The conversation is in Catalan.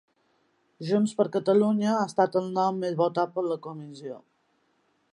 Junts per Catalunya ha estat el nom més votat per la comissió.